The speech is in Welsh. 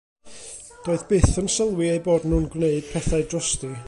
Doedd byth yn sylwi eu bod nhw'n gwneud pethau drosti.